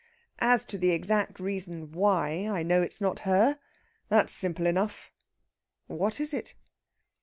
As to the exact reason why I know it's not her, that's simple enough!" "What is it?"